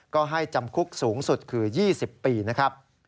ก็ให้จำคุกสูงสุดคือ๒๐ปีนะครับ